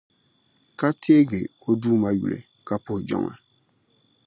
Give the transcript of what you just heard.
Ka teegi o Duuma yuli, ka puhi jiŋli.